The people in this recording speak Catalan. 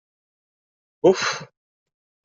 Buf!